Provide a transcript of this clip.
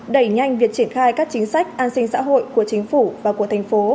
đẩy nhanh việc triển khai các chính sách an sinh xã hội của chính phủ và của tp